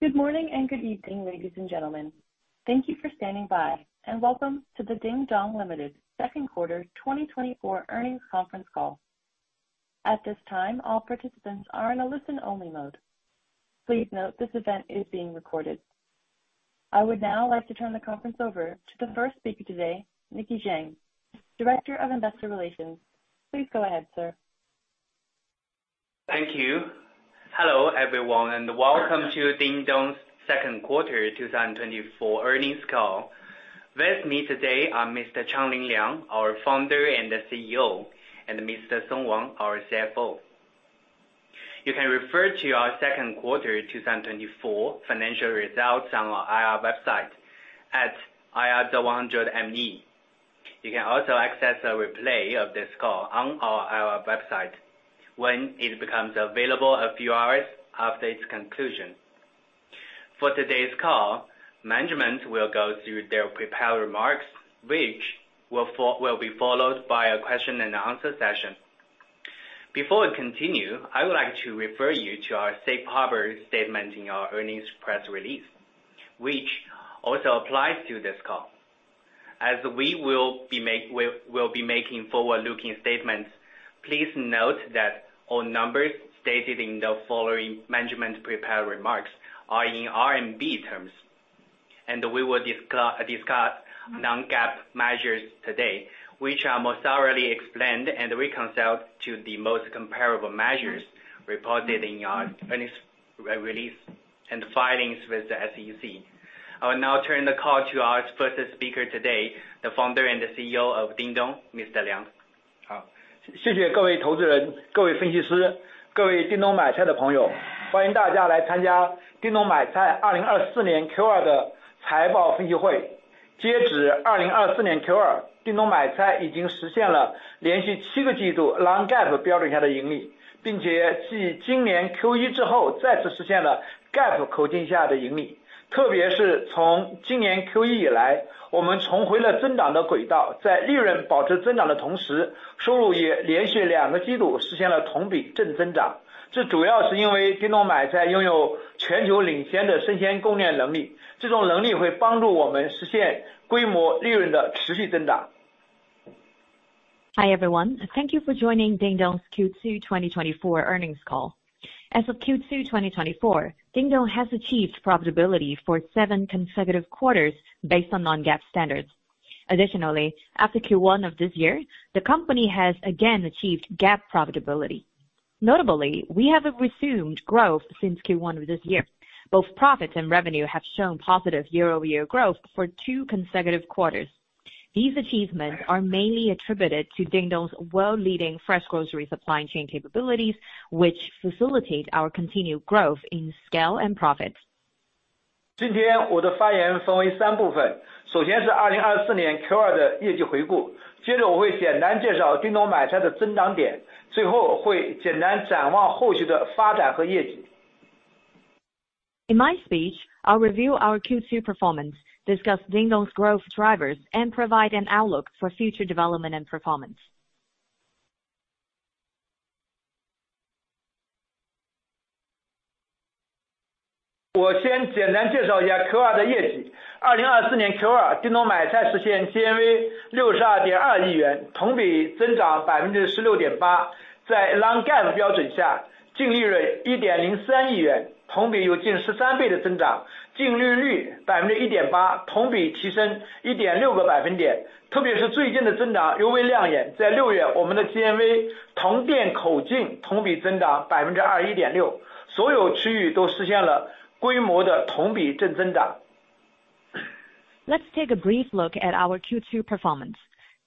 Good morning and good evening, ladies and gentlemen. Thank you for standing by, and welcome to the Dingdong Limited Second Quarter 2024 Earnings Conference Call. At this time, all participants are in a listen-only mode. Please note this event is being recorded. I would now like to turn the conference over to the first speaker today, Nicky Zheng, Director of Investor Relations. Please go ahead, sir. Thank you. Hello, everyone, and welcome to Dingdong's second quarter 2024 earnings call. With me today are Mr. Changlin Liang, our Founder and CEO, and Mr. Song Wang, our CFO. You can refer to our second quarter 2024 financial results on our IR website at ir.100.me. You can also access a replay of this call on our IR website when it becomes available a few hours after its conclusion. For today's call, management will go through their prepared remarks, which will be followed by a question and answer session. Before we continue, I would like to refer you to our safe harbor statement in our earnings press release, which also applies to this call. As we will be make... We will be making forward-looking statements. Please note that all numbers stated in the following management prepared remarks are in RMB terms, and we will discuss non-GAAP measures today, which are more thoroughly explained and reconciled to the most comparable measures reported in our earnings release and filings with the SEC. I will now turn the call to our first speaker today, the founder and CEO of Dingdong, Mr. Liang. Thank you, investors, analysts, and Dingdong Maicai users. Welcome to the Dingdong Maicai 2024 Q2 earnings call. As of 2024 Q2, Dingdong Maicai has achieved profitability for seven consecutive quarters under non-GAAP standards, and since Q1 of this year, we have once again achieved profitability under GAAP. Especially since Q1 this year, we have returned to a growth trajectory. While maintaining profit growth, revenue has also grown year-over-year for two consecutive quarters. This is primarily because Dingdong Maicai has world-leading fresh grocery supply chain capabilities, which will help us achieve sustained growth in scale and profits. Hi, everyone. Thank you for joining Dingdong's Q2 2024 earnings call. As of Q2 2024, Dingdong has achieved profitability for seven consecutive quarters based on non-GAAP standards. Additionally, after Q1 of this year, the company has again achieved GAAP profitability. Notably, we have resumed growth since Q1 of this year. Both profits and revenue have shown positive year-over-year growth for two consecutive quarters. These achievements are mainly attributed to Dingdong's world-leading fresh grocery supply chain capabilities, which facilitate our continued growth in scale and profit. Today, my speech is divided into three parts. First, a review of Q2 2024 results. Next, I will briefly introduce Dingdong Maicai's growth points. Finally, I will provide an outlook for future development and performance. In my speech, I'll review our Q2 performance, discuss Dingdong's growth drivers, and provide an outlook for future development and performance. Let me first briefly introduce Q2's performance. In Q2 2024,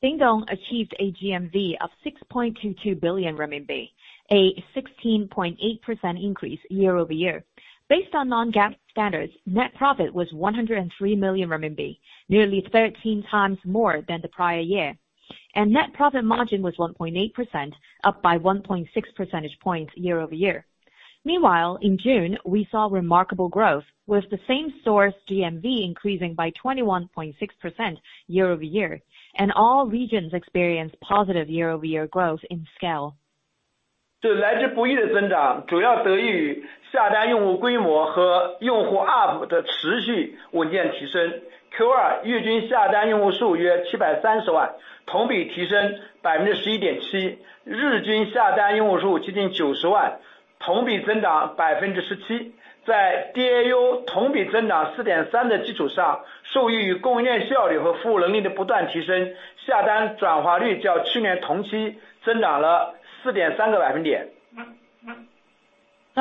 Dingdong Maicai achieved a GMV of 62.2 billion RMB, a 16.8% year-over-year increase. Under non-GAAP standards, net profit was 103 million RMB, nearly 13 times more than the prior year, and net profit margin was 1.8%, up by 1.6 percentage points year-over-year. Meanwhile, in June, we saw remarkable growth, with the same-store GMV increasing by 21.6% year-over-year, and all regions experienced positive year-over-year growth in scale. The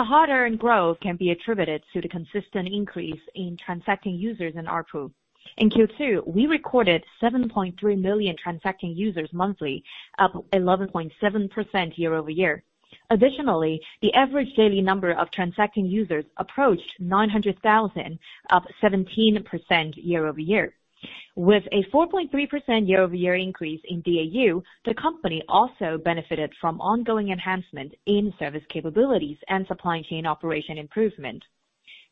hard-earned growth can be attributed to the consistent increase in transacting users and ARPU. In Q2, we recorded 7.3 million transacting users monthly, up 11.7% year-over-year. Additionally, the average daily number of transacting users approached 900,000, up 17% year-over-year. With a 4.3% year-over-year increase in DAU, the company also benefited from ongoing enhancement in service capabilities and supply chain operation improvement.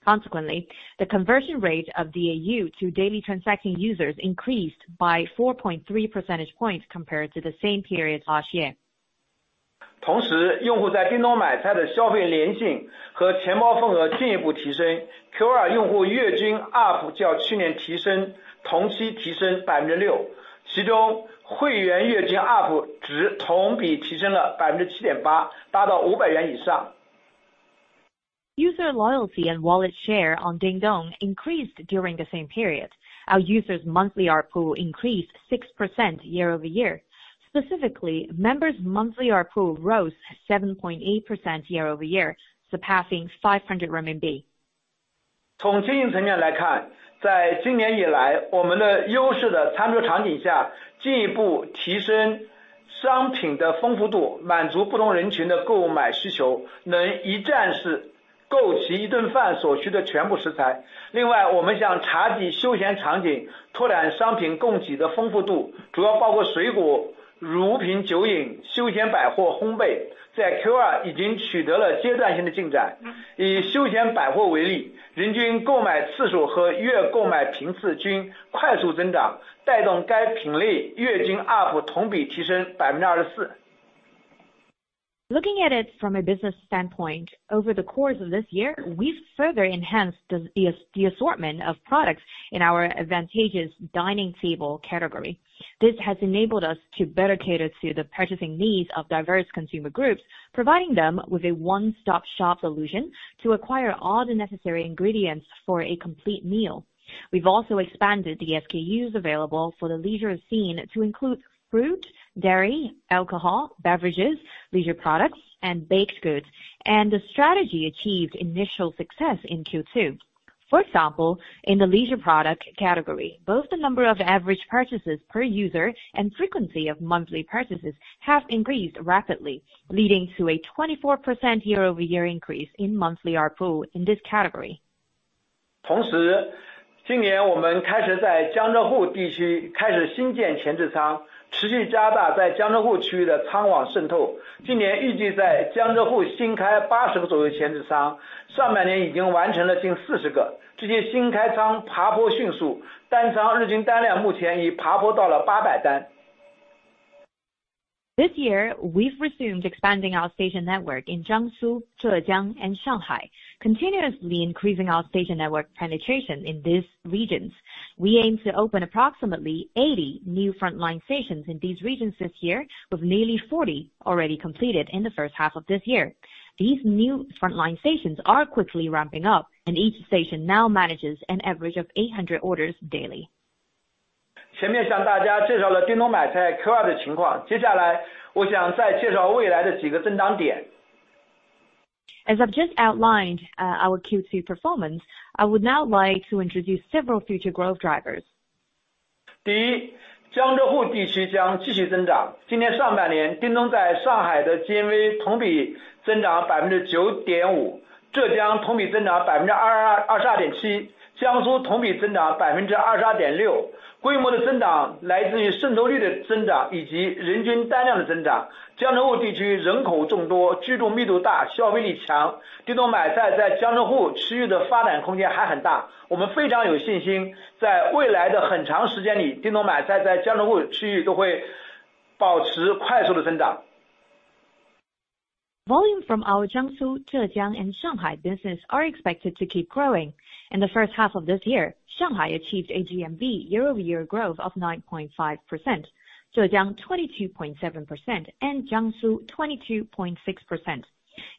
Consequently, the conversion rate of DAU to daily transacting users increased by 4.3 percentage points compared to the same period last year. ...同时，用户在叮咚买菜的消费粘性和钱包份额进一步提升。Q2用户月均ARPU较去年提升，同期提升6%，其中会员月均ARPU值同比提升了7.8%，达到CNY 500+。User loyalty and wallet share on Dingdong increased during the same period. Our users monthly ARPU increased 6% year-over-year. Specifically, members monthly ARPU rose 7.8% year-over-year, surpassing 500 RMB. Looking at it from a business standpoint, over the course of this year, we've further enhanced the assortment of products in our advantageous dining table category. This has enabled us to better cater to the purchasing needs of diverse consumer groups, providing them with a one-stop-shop solution to acquire all the necessary ingredients for a complete meal. We've also expanded the SKUs available for the leisure scene to include fruit, dairy, alcohol, beverages, leisure products, and baked goods, and the strategy achieved initial success in Q2. For example, in the leisure product category, both the number of average purchases per user and frequency of monthly purchases have increased rapidly, leading to a 24% year-over-year increase in monthly ARPU in this category. This year, we've resumed expanding our station network in Jiangsu, Zhejiang, and Shanghai, continuously increasing our station network penetration in these regions. We aim to open approximately 80 new frontline stations in these regions this year, with nearly 40 already completed in the first half of this year. These new frontline stations are quickly ramping up, and each station now manages an average of 800 orders daily. 前面向大家介绍了叮咚买菜Q2的情况，接下来我想再介绍未来的几个增长点。As I've just outlined, our Q2 performance, I would now like to introduce several future growth drivers. 第一，江浙沪地区将继续增长。今年上半年，叮咚在上海的GMV同比增长9.5%，浙江同比增长22.7%，江苏同比增长22.6%。规模的增长来自于渗透率的增长以及人均单量的增长。江浙沪地区人口众多，居住密度大，消费力强，叮咚买菜在江浙沪区域的发展空间还很大。我们非常有信心，在未来的很长时间里，叮咚买菜在江浙沪区域都会保持快速的增长。Volume from our Jiangsu, Zhejiang, and Shanghai business are expected to keep growing. In the first half of this year, Shanghai achieved a GMV year-over-year growth of 9.5%, Zhejiang 22.7%, and Jiangsu 22.6%.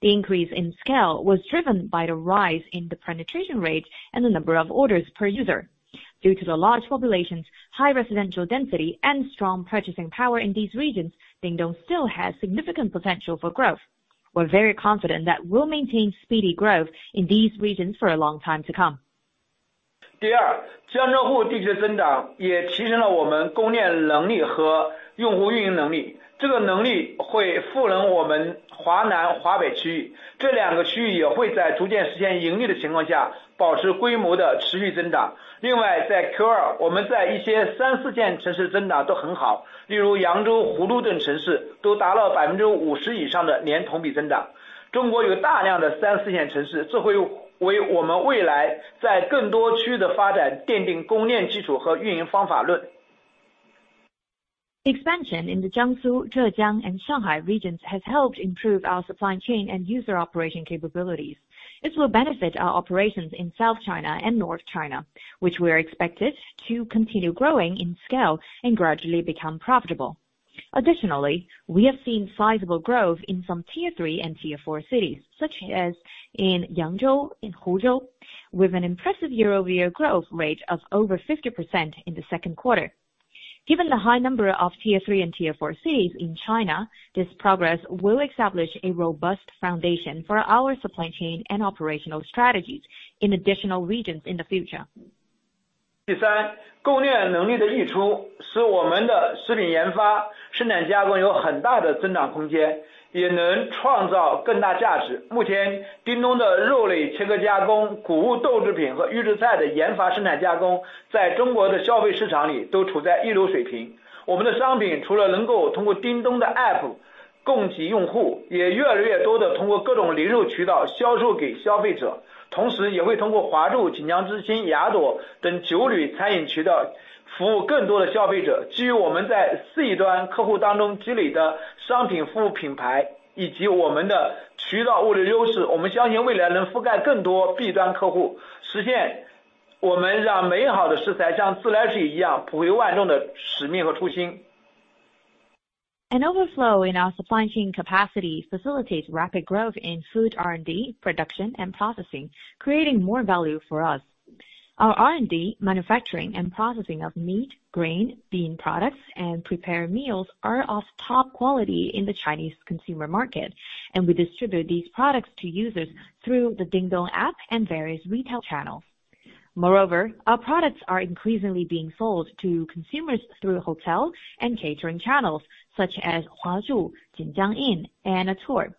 The increase in scale was driven by the rise in the penetration rate and the number of orders per user. Due to the large populations, high residential density, and strong purchasing power in these regions, Dingdong still has significant potential for growth. We're very confident that we'll maintain speedy growth in these regions for a long time to come. 第二，江浙沪地区的增长也提升了我们供应链能力和用户运营能力，这个能力会赋能我们华南、华北区域，这两个区域也会在逐渐实现盈利的情况下，保持规模的持续增长。另外，在Q2，我们在一些三、四线城市的增长都很好，例如扬州、湖州等城市都达到50%以上的年同比增长。中国有大量的三、四线城市，这会为我们未来在更多区域的发展奠定供应链基础和运营方法论。Expansion in the Jiangsu, Zhejiang, and Shanghai regions has helped improve our supply chain and user operation capabilities. This will benefit our operations in South China and North China, which we are expected to continue growing in scale and gradually become profitable. Additionally, we have seen sizable growth in some Tier 3 and Tier 4 cities, such as in Yangzhou and Huzhou, with an impressive year-over-year growth rate of over 50% in the second quarter. Given the high number of Tier 3 and Tier 4 cities in China, this progress will establish a robust foundation for our supply chain and operational strategies in additional regions in the future. An overflow in our supply chain capacity facilitates rapid growth in food R&D, production, and processing, creating more value for us. Our R&D, manufacturing, and processing of meat, grain, bean products, and prepared meals are of top quality in the Chinese consumer market, and we distribute these products to users through the Dingdong app and various retail channels. Moreover, our products are increasingly being sold to consumers through hotels and catering channels such as Huazhu, Jinjiang Inn, and Atour.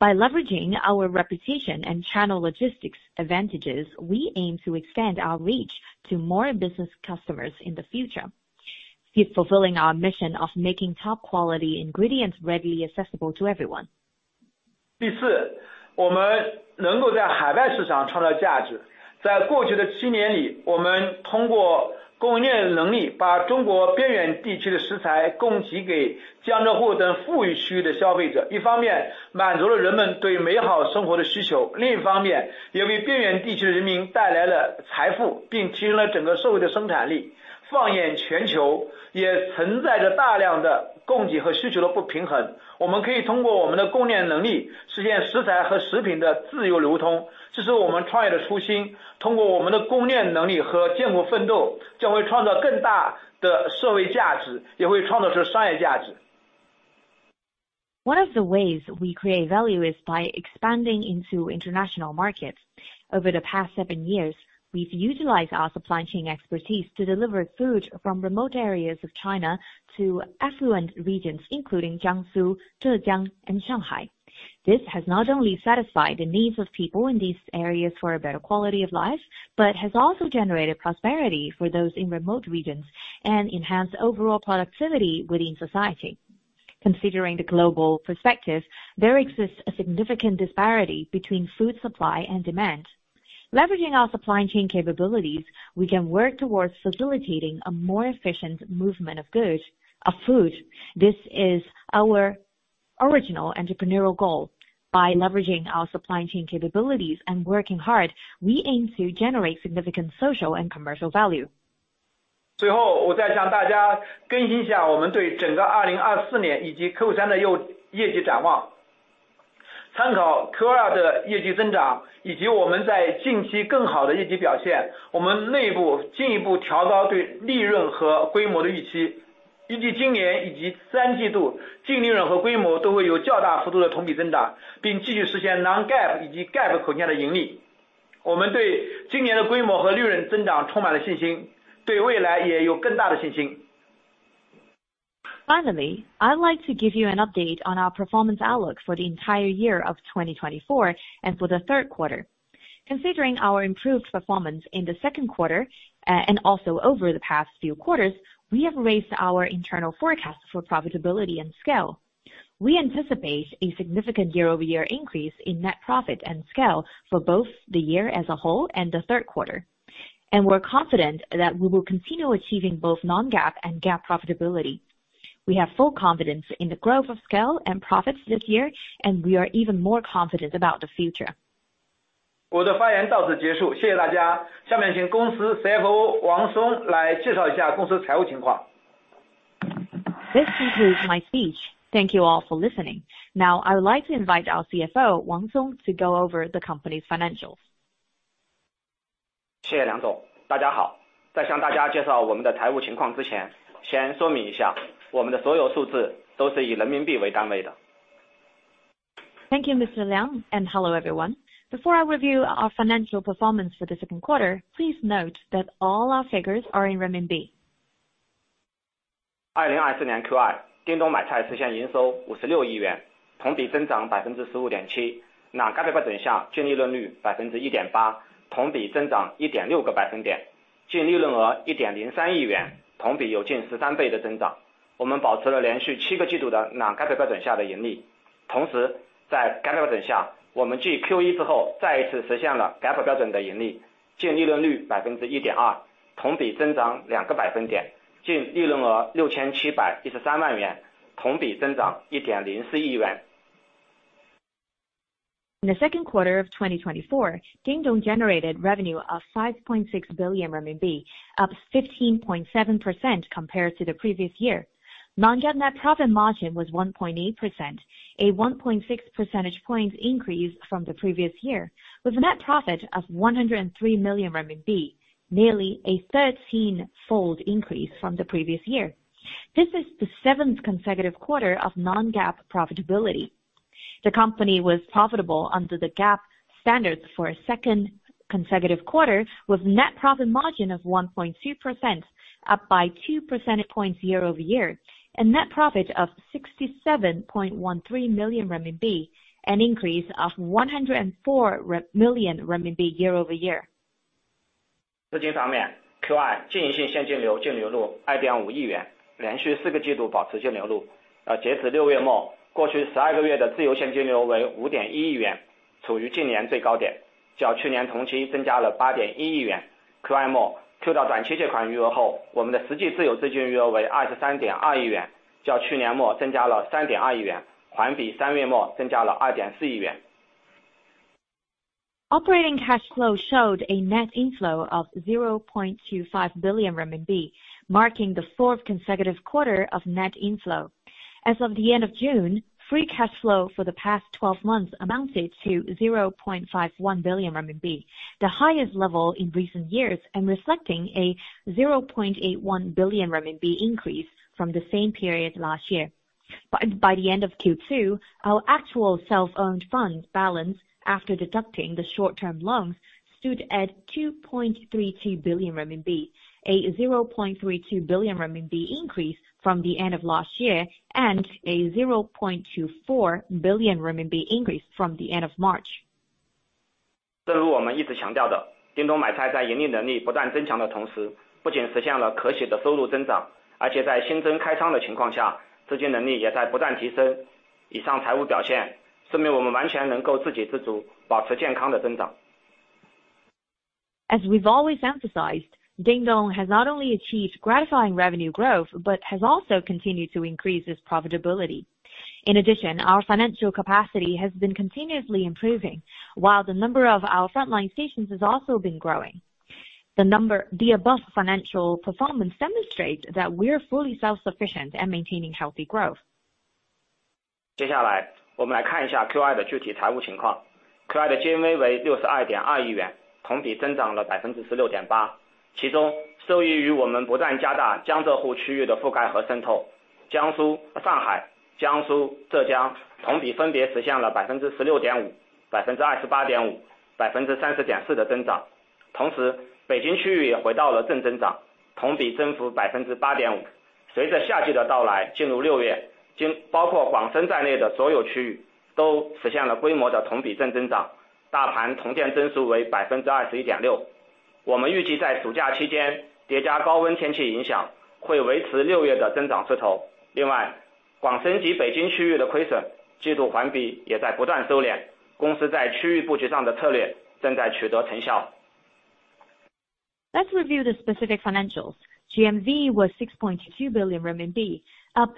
By leveraging our reputation and channel logistics advantages, we aim to expand our reach to more business customers in the future, keep fulfilling our mission of making top quality ingredients readily accessible to everyone. One of the ways we create value is by expanding into international markets. Over the past seven years, we've utilized our supply chain expertise to deliver food from remote areas of China to affluent regions, including Jiangsu, Zhejiang, and Shanghai. This has not only satisfied the needs of people in these areas for a better quality of life, but has also generated prosperity for those in remote regions and enhanced overall productivity within society. Considering the global perspective, there exists a significant disparity between food supply and demand. Leveraging our supply chain capabilities, we can work towards facilitating a more efficient movement of goods, of food. This is our original entrepreneurial goal. By leveraging our supply chain capabilities and working hard, we aim to generate significant social and commercial value. Finally, I'd like to give you an update on our performance outlook for the entire year of 2024 and for the third quarter. Considering our improved performance in the second quarter, and also over the past few quarters, we have raised our internal forecast for profitability and scale. We anticipate a significant year-over-year increase in net profit and scale for both the year as a whole and the third quarter, and we're confident that we will continue achieving both non-GAAP and GAAP profitability. We have full confidence in the growth of scale and profits this year, and we are even more confident about the future. This concludes my speech. Thank you all for listening. Now, I would like to invite our CFO, Song Wang, to go over the company's financials. Thank you, Mr. Liang, and hello, everyone. Before I review our financial performance for the second quarter, please note that all our figures are in renminbi. In the second quarter of 2024, Dingdong generated revenue of CNY 5.6 billion, up 15.7% compared to the previous year. Non-GAAP net profit margin was 1.8%, a 1.6 percentage points increase from the previous year, with a net profit of 103 million RMB, nearly a thirteen-fold increase from the previous year. This is the seventh consecutive quarter of non-GAAP profitability. The company was profitable under the GAAP standards for a second consecutive quarter, with net profit margin of 1.2%, up by 2 percentage points year-over-year, and net profit of 67.13 million RMB, an increase of CNY 104 million year-over-year. ... Operating cash flow showed a net inflow of 0.25 billion, marking the fourth consecutive quarter of net inflow. As of the end of June, free cash flow for the past 12 months amounted to 0.51 billion RMB, the highest level in recent years, and reflecting a 0.81 billion RMB increase from the same period last year. By the end of Q2, our actual self-owned funds balance, after deducting the short-term loans, stood at 2.32 billion RMB, a 0.32 billion RMB increase from the end of last year, and a 0.24 billion RMB increase from the end of March. As we've always emphasized, Dingdong has not only achieved gratifying revenue growth, but has also continued to increase its profitability. In addition, our financial capacity has been continuously improving, while the number of our frontline stations has also been growing. The above financial performance demonstrates that we're fully self-sufficient and maintaining healthy growth. Let's review the specific financials. GMV was 6.2 billion RMB, up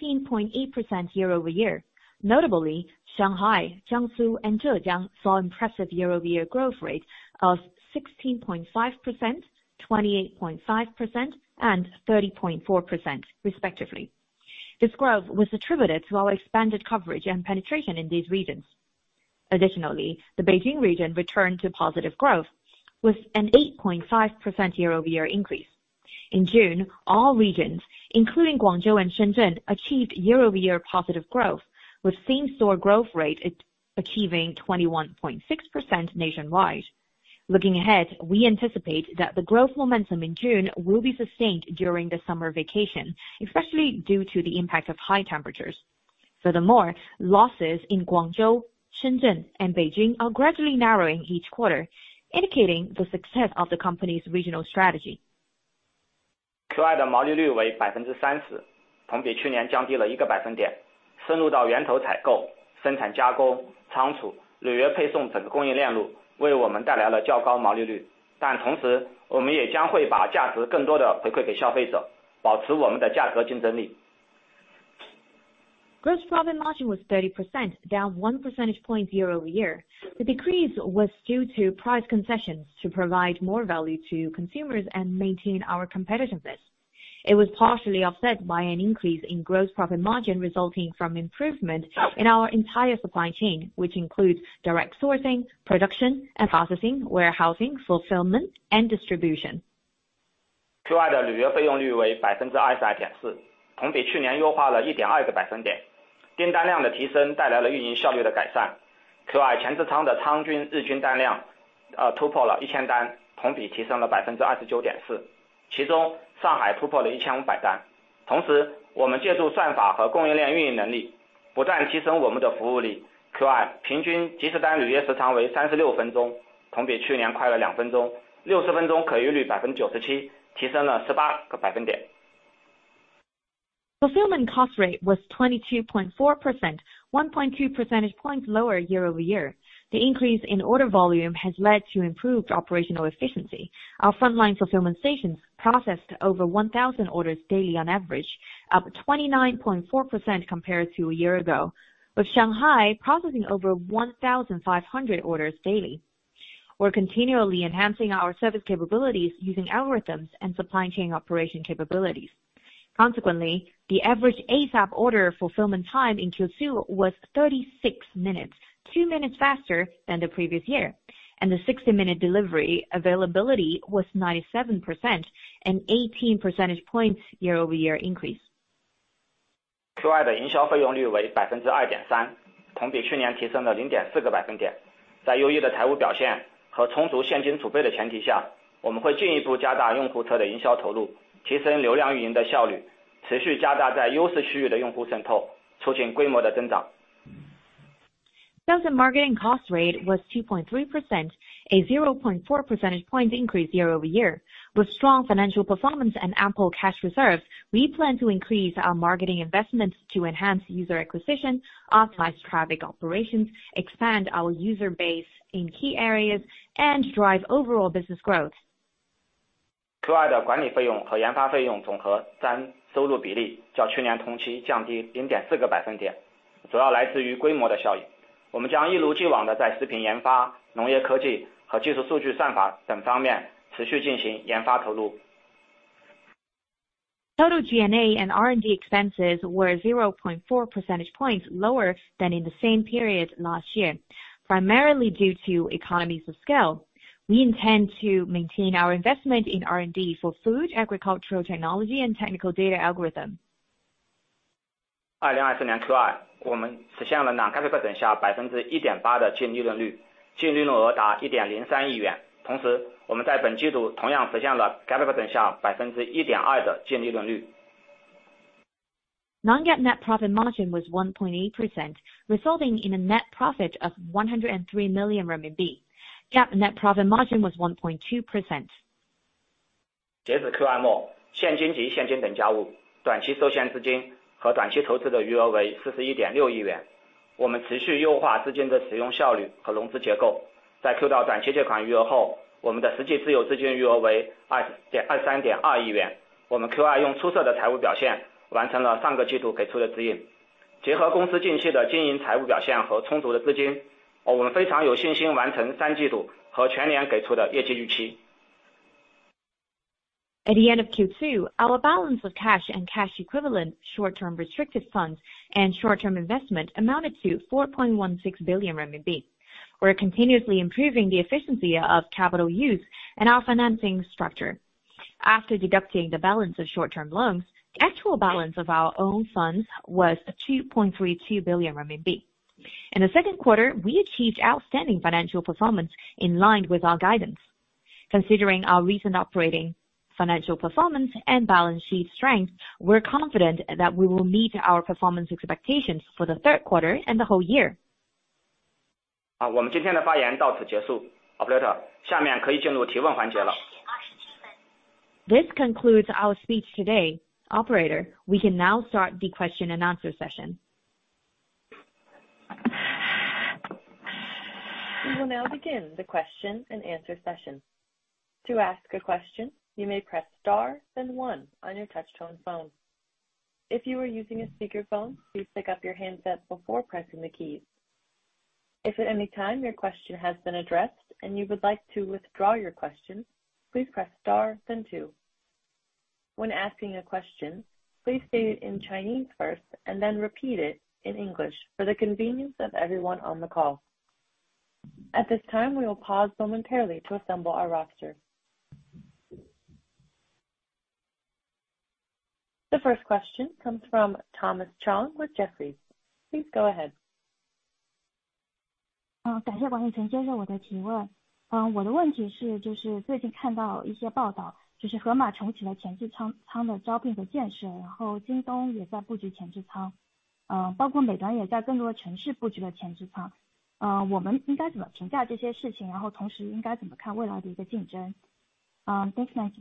16.8% year-over-year. Notably, Shanghai, Jiangsu, and Zhejiang saw impressive year-over-year growth rate of 16.5%, 28.5%, and 30.4% respectively. This growth was attributed to our expanded coverage and penetration in these regions. Additionally, the Beijing region returned to positive growth with an 8.5% year-over-year increase. In June, all regions, including Guangzhou and Shenzhen, achieved year-over-year positive growth, with same-store growth rate at achieving 21.6% nationwide. Looking ahead, we anticipate that the growth momentum in June will be sustained during the summer vacation, especially due to the impact of high temperatures. Furthermore, losses in Guangzhou, Shenzhen, and Beijing are gradually narrowing each quarter, indicating the success of the company's regional strategy. Gross profit margin was 30%, down 1 percentage point year-over-year. The decrease was due to price concessions to provide more value to consumers and maintain our competitiveness. It was partially offset by an increase in gross profit margin resulting from improvement in our entire supply chain, which includes direct sourcing, production and processing, warehousing, fulfillment, and distribution. Fulfillment cost rate was 22.4%, 1.2 percentage points lower year-over-year. The increase in order volume has led to improved operational efficiency. Our frontline fulfillment stations processed over 1,000 orders daily on average, up 29.4% compared to a year ago, with Shanghai processing over 1,500 orders daily. We're continually enhancing our service capabilities using algorithms and supply chain operation capabilities. Consequently, the average ASAP order fulfillment time in Q2 was 36 minutes, 2 minutes faster than the previous year, and the 60-minute delivery availability was 97%, an 18 percentage points year-over-year increase. Sales and marketing cost rate was 2.3%, a 0.4 percentage point increase year-over-year. With strong financial performance and ample cash reserves, we plan to increase our marketing investments to enhance user acquisition, optimize traffic operations, expand our user base in key areas, and drive overall business growth. ...Q2的管理费用和研发费用总和占收入比例较去年同期降低0.4个百分点，主要来自于规模的效应。我们将一如既往地在食品研发、农业科技和技术数据算法等方面持续进行研发投入。Total G&A and R&D expenses were 0.4 percentage points lower than in the same period last year, primarily due to economies of scale. We intend to maintain our investment in R&D for food, agricultural technology, and technical data algorithm. 2024年Q2，我们实现了non-GAAP 1.8%的净利润率，净利润额达1.03亿元。同时我们在本季度同样实现了GAAP 1.2%的净利润率。Non-GAAP net profit margin was 1.8%, resulting in a net profit of 103 million RMB. GAAP net profit margin was 1.2%. 截至 Q2 末，现金及现金等价物，短期受限资金和短期投资的余额为 At the end of Q2, our balance of cash and cash equivalent, short-term restricted funds, and short-term investment amounted to 4.16 billion RMB. We are continuously improving the efficiency of capital use and our financing structure. After deducting the balance of short-term loans, the actual balance of our own funds was 2.32 billion RMB. In the second quarter, we achieved outstanding financial performance in line with our guidance. Considering our recent operating financial performance and balance sheet strength, we're confident that we will meet our performance expectations for the third quarter and the whole year. 好，我们今天的发言到此结束。Operator，下面可以进入提问环节了。This concludes our speech today. Operator, we can now start the question and answer session. We will now begin the question and answer session. To ask a question, you may press star, then one on your touchtone phone. If you are using a speakerphone, please pick up your handset before pressing the keys. If at any time your question has been addressed and you would like to withdraw your question, please press star then two. When asking a question, please state it in Chinese first and then repeat it in English for the convenience of everyone on the call. At this time, we will pause momentarily to assemble our roster. The first question comes from Thomas Chong with Jefferies. Please go ahead. Thanks once again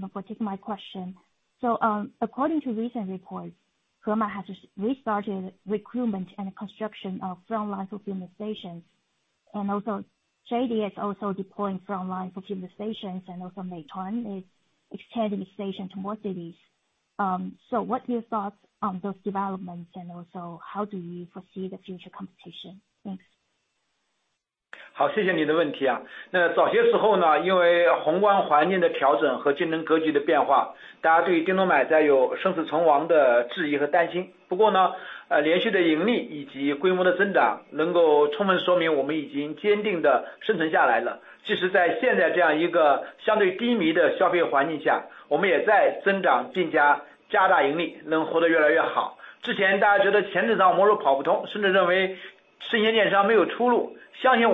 for taking my question. So, according to recent reports, Hema has restarted recruitment and construction of frontline fulfillment stations, and also JD is also deploying frontline fulfillment stations and also Meituan is extending the station to more cities. So, what are your thoughts on those developments? Also how do you foresee the future competition? Thanks. Thank you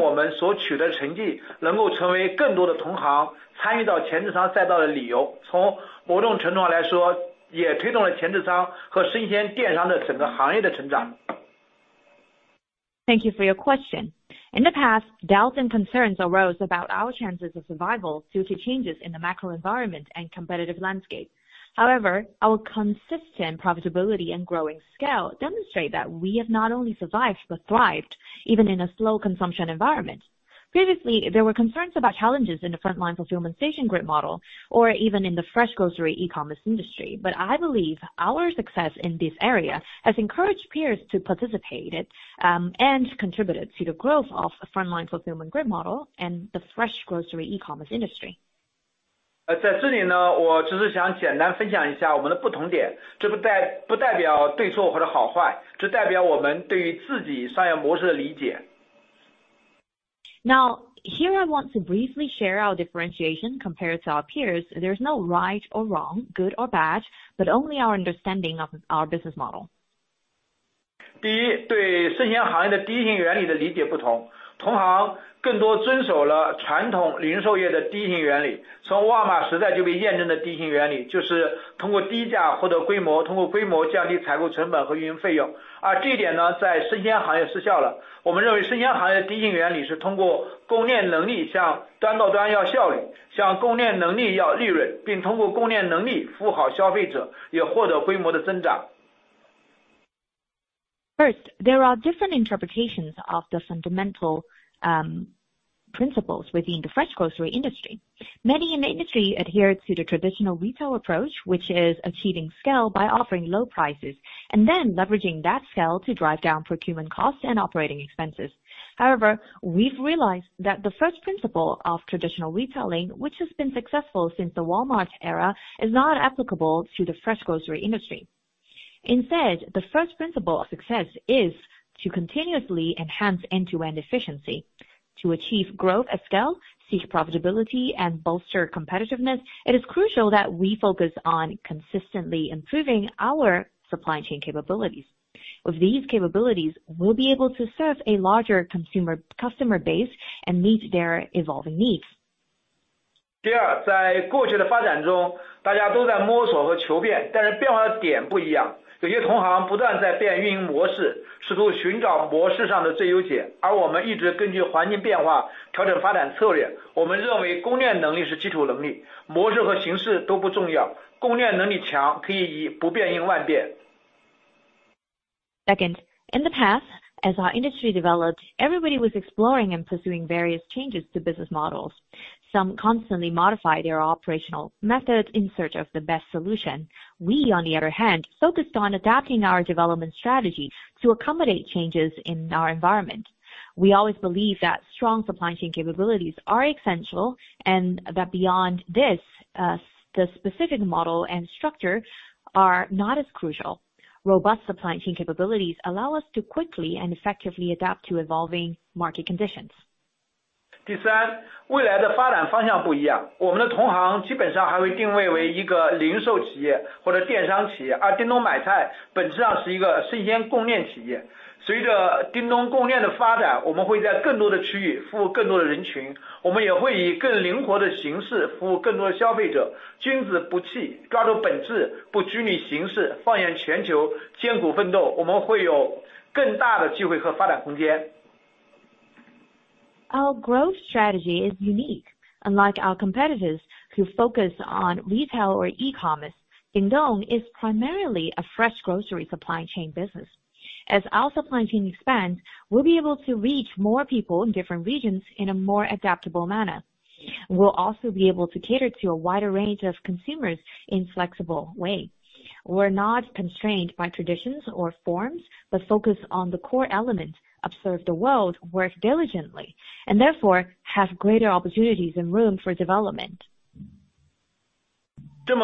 for your question. In the past, doubts and concerns arose about our chances of survival due to changes in the macro environment and competitive landscape. However, our consistent profitability and growing scale demonstrate that we have not only survived, but thrived, even in a slow consumption environment. Previously, there were concerns about challenges in the frontline fulfillment station grid model, or even in the fresh grocery e-commerce industry. But I believe our success in this area has encouraged peers to participate it, and contributed to the growth of the frontline fulfillment grid model and the fresh grocery e-commerce industry. 在这里呢，我想简单分享一下我们的不同点，这不代表对错或者好坏，只代表我们对于自己商业模式的理解。Now, here I want to briefly share our differentiation compared to our peers. There's no right or wrong, good or bad, but only our understanding of our business model. 第一，对生鲜行业的低成本原则的理解不同，同行更多遵守了传统零售业的低成本原则，从沃尔玛时代就被验证的低成本原则，就是通过低价获得规模，通过规模降低采购成本和运营费用。而这一点呢，在生鲜行业失效了。我们认为生鲜行业的低成本原则是通过供应链能力，向端到端要效率，向供应链能力要利润，并通过供应链能力服务好消费者，也获得规模的增长。...First, there are different interpretations of the fundamental, principles within the fresh grocery industry. Many in the industry adhere to the traditional retail approach, which is achieving scale by offering low prices and then leveraging that scale to drive down procurement costs and operating expenses. However, we've realized that the first principle of traditional retailing, which has been successful since the Walmart era, is not applicable to the fresh grocery industry. Instead, the first principle of success is to continuously enhance end-to-end efficiency. To achieve growth at scale, seek profitability, and bolster competitiveness, it is crucial that we focus on consistently improving our supply chain capabilities. With these capabilities, we'll be able to serve a larger consumer, customer base and meet their evolving needs. Second, in the past, as our industry developed, everybody was exploring and pursuing various changes to business models. Some constantly modified their operational methods in search of the best solution. We, on the other hand, focused on adapting our development strategy to accommodate changes in our environment. We always believe that strong supply chain capabilities are essential, and that beyond this, the specific model and structure are not as crucial. Robust supply chain capabilities allow us to quickly and effectively adapt to evolving market conditions. Our growth strategy is unique. Unlike our competitors who focus on retail or e-commerce, Dingdong is primarily a fresh grocery supply chain business. As our supply chain expands, we'll be able to reach more people in different regions in a more adaptable manner. We'll also be able to cater to a wider range of consumers in flexible way. We're not constrained by traditions or forms, but focus on the core elements, observe the world, work diligently, and therefore have greater opportunities and room for development. For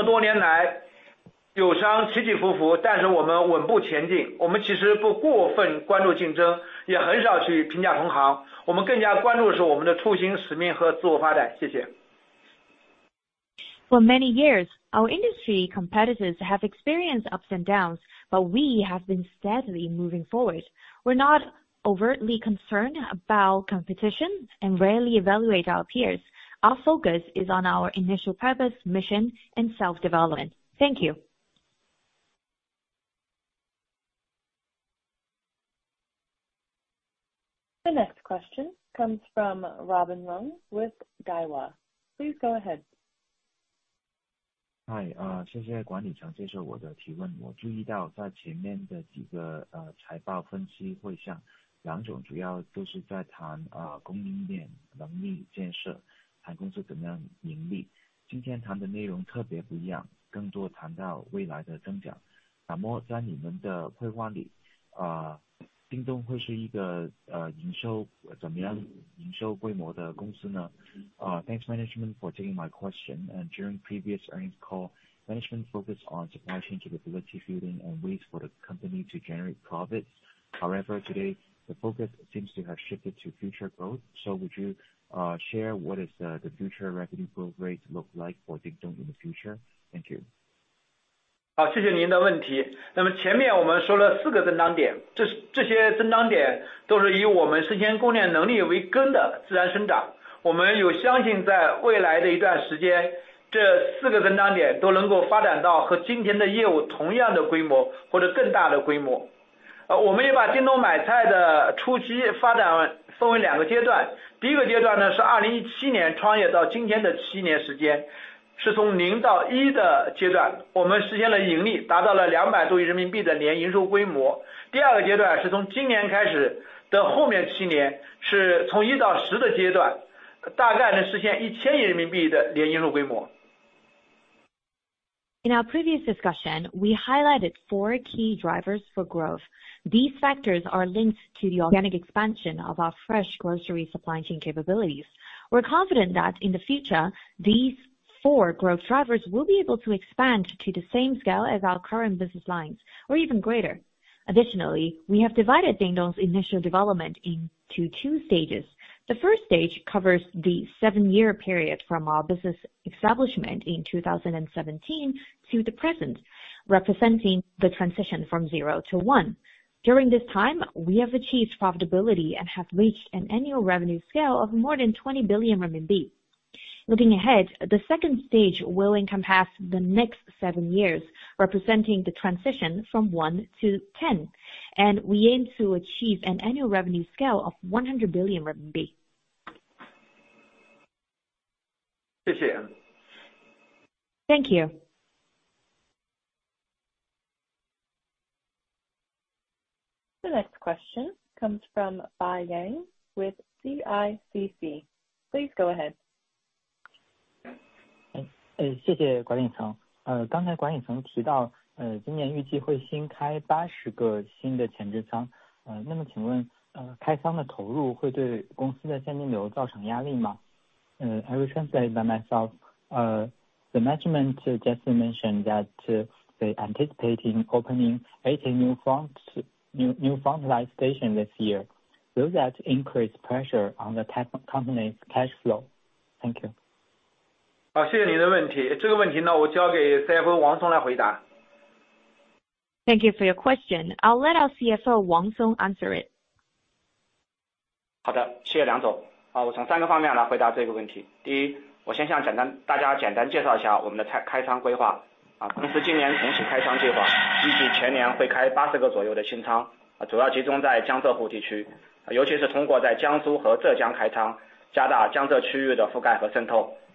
many years, our industry competitors have experienced ups and downs, but we have been steadily moving forward. We're not overtly concerned about competition and rarely evaluate our peers. Our focus is on our initial purpose, mission, and self-development. Thank you. The next question comes from Robin Leung with Daiwa. Please go ahead. Hi, thanks, management, for taking my question. During previous earnings call, management focused on supply chain capability building and ways for the company to generate profits. However, today, the focus seems to have shifted to future growth. Would you share what is the future revenue growth rate look like for Dingdong in the future? Thank you. Thanks, management, for taking my question. During previous earnings call, management focused on supply chain capability building and ways for the company to generate profits. However, today, the focus seems to have shifted to future growth. Would you share what the future revenue growth rate looks like for Dingdong in the future? Thank you. In our previous discussion, we highlighted four key drivers for growth. These factors are linked to the organic expansion of our fresh grocery supply chain capabilities. We're confident that in the future, these four growth drivers will be able to expand to the same scale as our current business lines or even greater. Additionally, we have divided Dingdong's initial development into two stages. The first stage covers the seven-year period from our business establishment in 2017 to the present, representing the transition from zero to one. During this time, we have achieved profitability and have reached an annual revenue scale of more than 20 billion RMB. Looking ahead, the second stage will encompass the next seven years, representing the transition from one to ten, and we aim to achieve an annual revenue scale of 100 billion RMB.... Thank you. Thank you. The next question comes from Yang Bai with CICC. Please go ahead. 谢谢，管理层。刚才管理层提到，今年预计会新开80个新的前置仓，那么请问，开仓的投入会对公司的现金流造成压力吗？ I will translate by myself. The management just mentioned that, they anticipating opening 80 new fronts, new frontline stations this year. Will that increase pressure on the tech company's cash flow? Thank you. 好，谢谢你的问题。这个问题呢，我交给CFO王松来回答。Thank you for your question. I'll let our CFO, Song Wang, answer it.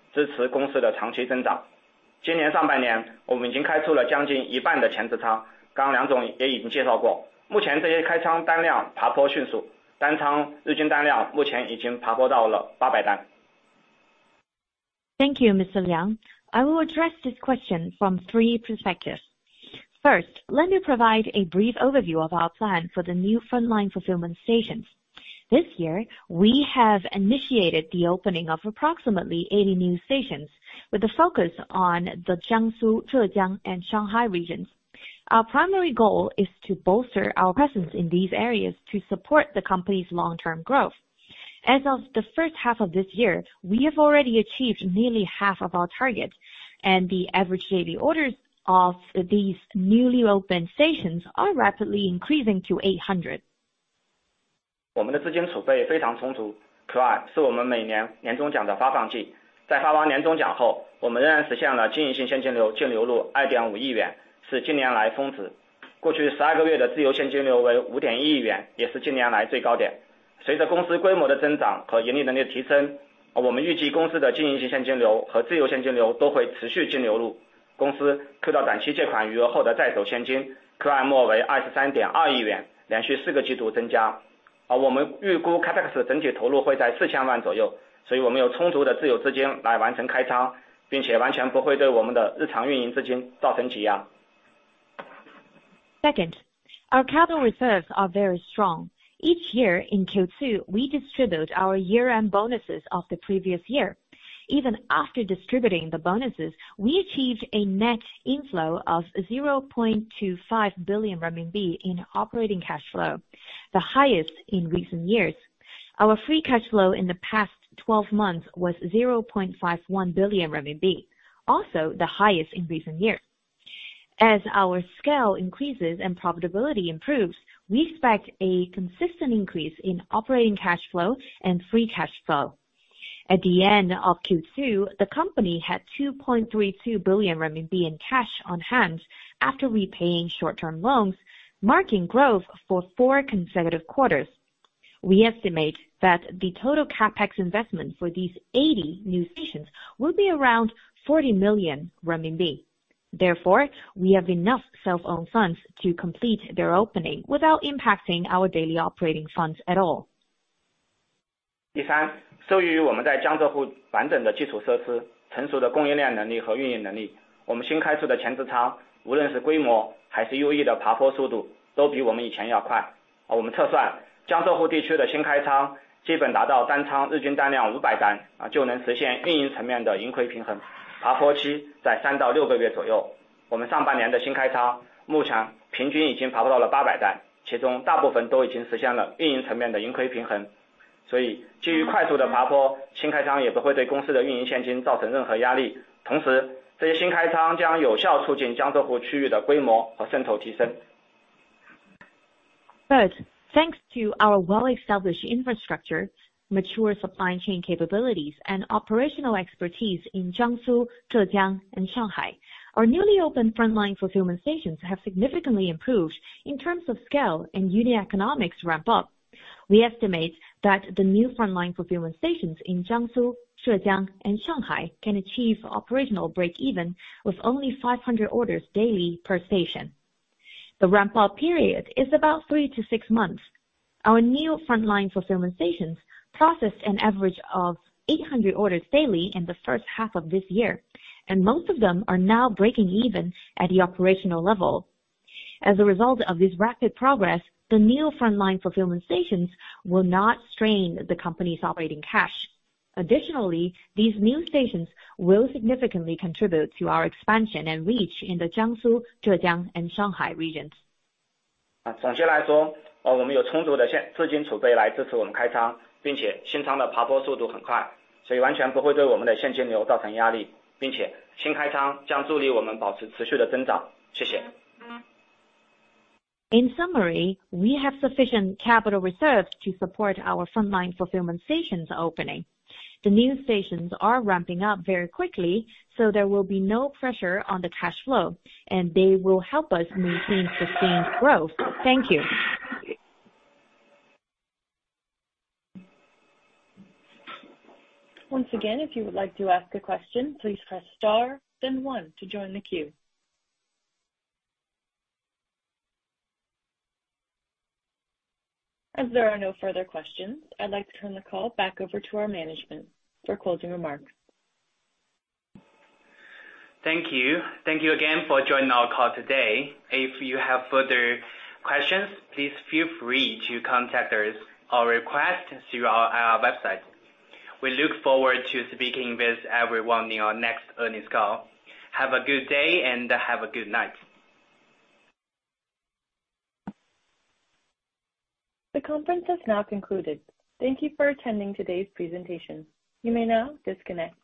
好的，谢谢梁总。好，我从三个方面来回答这个问题。第一，我先向大家简单介绍一下我们的开仓规划。公司今年整体开仓计划，预计全年会开80个左右的新仓，主要集中在江浙沪地区，尤其是通过在江苏和浙江开仓，加大江浙区域的覆盖和渗透，支持公司的长期增长。今年上半年，我们已经开出了将近一半的前置仓，刚刚梁总也已经介绍过。目前这些开仓单量爬坡迅速，单仓日均单量目前已经爬坡到了800单。Thank you, Mr. Liang. I will address this question from three perspectives. First, let me provide a brief overview of our plan for the new frontline fulfillment stations. This year, we have initiated the opening of approximately 80 new stations, with a focus on the Jiangsu, Zhejiang, and Shanghai regions. Our primary goal is to bolster our presence in these areas to support the company's long-term growth. As of the first half of this year, we have already achieved nearly half of our target, and the average daily orders of these newly opened stations are rapidly increasing to 800. Second, our capital reserves are very strong. Each year in Q2, we distribute our year-end bonuses of the previous year. Even after distributing the bonuses, we achieved a net inflow of 0.25 billion RMB in operating cash flow, the highest in recent years. Our free cash flow in the past twelve months was 0.51 billion RMB, also the highest in recent years. As our scale increases and profitability improves, we expect a consistent increase in operating cash flow and free cash flow. At the end of Q2, the company had 2.32 billion RMB in cash on hand after repaying short-term loans, marking growth for four consecutive quarters. We estimate that the total CapEx investment for these 80 new stations will be around 40 million renminbi. Therefore, we have enough self-owned funds to complete their opening without impacting our daily operating funds at all. 第三，受益于我们在江浙沪完整的设施，成熟的供应链能力和运营能力，我们新开出的前置仓，无论规模还是优异的爬坡速度，都比我们以前要快。我们测算，江浙沪地区的新开仓，基本达到单仓日均单量 500 单，就能实现运营层面的盈亏平衡，爬坡期在 3-6 个月左右。我们上半年的新开仓，目前平均已经爬坡到了 800 单，其中大部分都已经实现了运营层面的盈亏平衡。所以基于快速的爬坡，新开仓也不会对公司的运营现金造成任何压力。同时，这些新开仓将有效促进江浙沪区域的规模和渗透提升。Third, thanks to our well-established infrastructure, mature supply chain capabilities, and operational expertise in Jiangsu, Zhejiang, and Shanghai, our newly opened frontline fulfillment stations have significantly improved in terms of scale and unit economics ramp-up. We estimate that the new frontline fulfillment stations in Jiangsu, Zhejiang, and Shanghai can achieve operational break-even with only 500 orders daily per station. The ramp-up period is about 3-6 months. Our new frontline fulfillment stations processed an average of 800 orders daily in the first half of this year, and most of them are now breaking even at the operational level. As a result of this rapid progress, the new frontline fulfillment stations will not strain the company's operating cash. Additionally, these new stations will significantly contribute to our expansion and reach in the Jiangsu, Zhejiang, and Shanghai regions. 总体来说，我们有充足的现金储备来支持我们开仓，并且新仓的爬坡速度很快，所以完全不会对我们的现金流造成压力，并且新开仓将助力我们保持持续的增长。谢谢。In summary, we have sufficient capital reserves to support our frontline fulfillment stations opening. The new stations are ramping up very quickly, so there will be no pressure on the cash flow, and they will help us maintain sustained growth. Thank you. Once again, if you would like to ask a question, please press star then one to join the queue. As there are no further questions, I'd like to turn the call back over to our management for closing remarks. Thank you. Thank you again for joining our call today. If you have further questions, please feel free to contact us or request through our website. We look forward to speaking with everyone in our next earnings call. Have a good day, and have a good night. The conference is now concluded. Thank you for attending today's presentation. You may now disconnect.